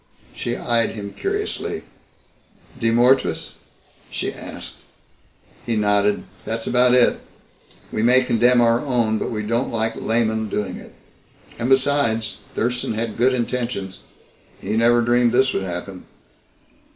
She eyed him curiously. "De mortuis?" she asked. He nodded. "That's about it. We may condemn our own, but we don't like laymen doing it. And besides, Thurston had good intentions. He never dreamed this would happen."